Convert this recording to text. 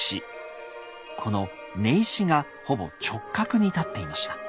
この根石がほぼ直角に立っていました。